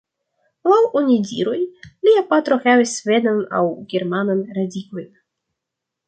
Laŭ onidiroj, lia patro havis svedan aŭ germanan radikojn.